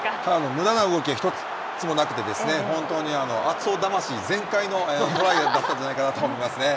むだな動きが一つもなくてですね、本当に熱男魂全開のトライだったんじゃないかなと思いますね。